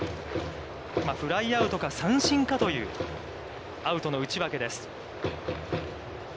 フライアウトか三振かというアウトの内訳です。